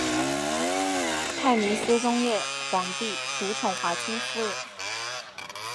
大明思宗烈皇帝独宠华清夫人。